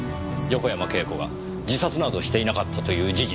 横山慶子が自殺などしていなかったという事実を。